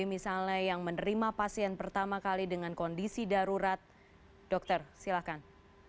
misalnya yang menerima pasien pertama kali dengan kondisi darurat dokter silakan